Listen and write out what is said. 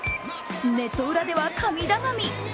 ネット裏では神頼み。